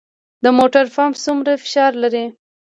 د موټر پمپ څومره فشار لري؟